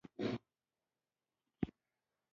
دوی کولی شي سوداګرۍ له خپل کور څخه پرمخ بوځي